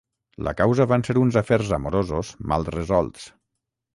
La causa van ser uns afers amorosos mal resolts.